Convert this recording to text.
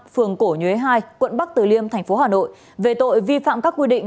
phường cổ nhuế hai quận bắc từ liêm tp hà nội về tội vi phạm các quy định